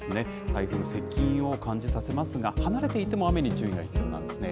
台風の接近を感じさせますが、離れていても雨に注意が必要なんですね。